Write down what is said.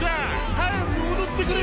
早く踊ってくれ！